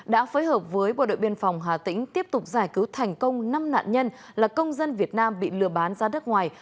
đã phối hợp với bộ đội biên phòng hà tĩnh tiếp tục giải cứu thành công năm nạn nhân là công dân việt nam bị lừa bán ra đất ngoài